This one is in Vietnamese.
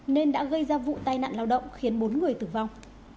nên đã gây ra vụ tai nạn lao động khiến bốn người tử vong